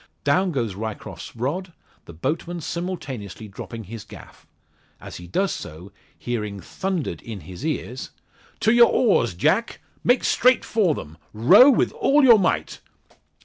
Down goes Ryecroft's rod, the boatman simultaneously dropping his gaff; as he does so hearing thundered in his ears "To yours oars, Jack! Make straight for them! Row with all your might!"